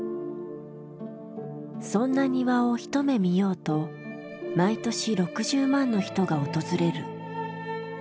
そんな庭を一目見ようと毎年６０万の人が訪れる。